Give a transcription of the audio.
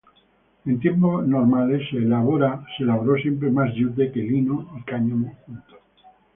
En tiempos normales, se elaboró siempre más yute que lino y cáñamo juntos.